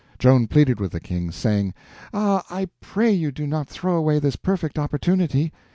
Joan pleaded with the King, saying: "Ah, I pray you do not throw away this perfect opportunity.